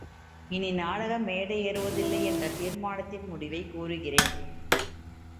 இனி நாடக மேடையேறுவதில்லை என்ற தீர்மானத்தின் முடிவைக் கூறுகிறேன்.